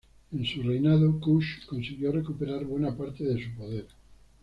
En su reinado Kush consiguió recuperar buena parte de su poder.